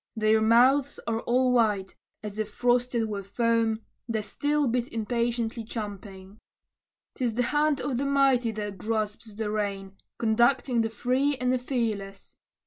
Their mouths are all white, as if frosted with foam, The steel bit impatiently champing. 'Tis the hand of the mighty that grasps the rein, Conducting the free and the fearless.